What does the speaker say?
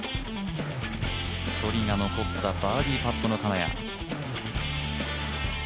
距離が残ったバーディーパットの金谷。